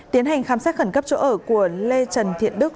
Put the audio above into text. tiến hành khám xét khẩn cấp chỗ ở của lê trần thiện đức